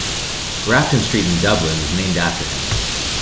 Grafton Street in Dublin was named after him.